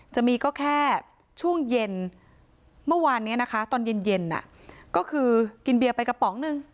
จะมีก็แค่ช่วงเย็นเมื่อวานนี้นะคะตอนเย็นก็คือกินเบียร์ไปกระป๋องนึง